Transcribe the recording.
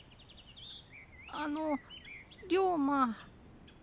あの龍馬。